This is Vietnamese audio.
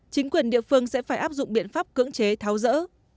chính quyền địa phương sẽ phải áp dụng biện pháp cưỡng chế tháo rỡ